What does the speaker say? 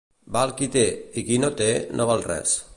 Val qui té, i qui no té, no val res.